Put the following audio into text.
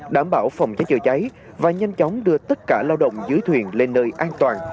đảm bảo phòng cháy chữa cháy và nhanh chóng đưa tất cả lao động dưới thuyền lên nơi an toàn